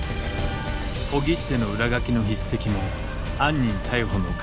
小切手の裏書きの筆跡も犯人逮捕の鍵とされた。